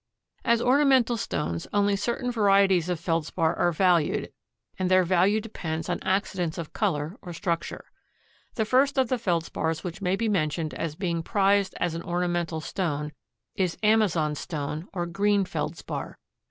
As ornamental stones only certain varieties of Feldspar are valued and their value depends on accidents of color or structure. The first of the Feldspars which may be mentioned as being prized as an ornamental stone is amazonstone or green Feldspar.